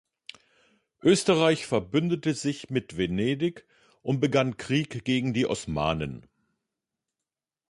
Österreich verbündete sich mit Venedig und begann Krieg gegen die Osmanen.